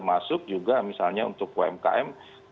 masuk juga misalnya untuk umkm